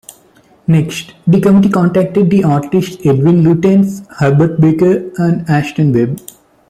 Next, the committee contacted the artists Edwin Lutyens, Herbert Baker and Aston Webb.